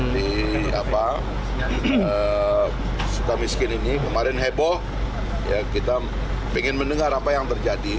di apa suka miskin ini kemarin heboh kita ingin mendengar apa yang terjadi